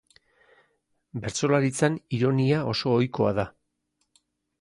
Bertsolaritzan ironia oso ohikoa da.